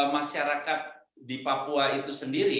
masyarakat di papua itu sendiri